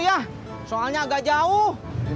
lima belas ya soalnya agak jauh